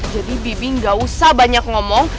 jadi bibi gak usah banyak ngomong